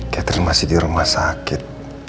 catherine masih di rumah sakit